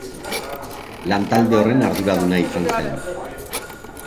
Lan-talde horren arduraduna izan zen.